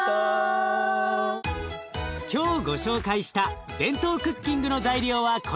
今日ご紹介したＢＥＮＴＯクッキングの材料はこちら。